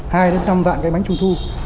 hai năm vạn cái bánh trung thu